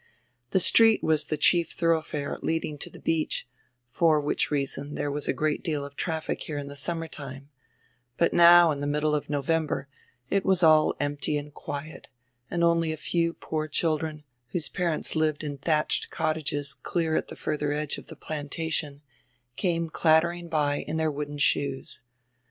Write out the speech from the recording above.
The street was tire chief thoroughfare leading to tire beach, for which reason there was a great deal of traffic here in tire sunrnrer time, but now, in tire nriddle of November, it was all empty and quiet, and only a few poor children, whose parents lived in thatched cottages clear at tire further edge of tire "Plantation" came clattering by in their wooden shoes.